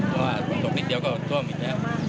เพราะว่าฝนตกนิดเดียวก็ท่วมอีกแล้ว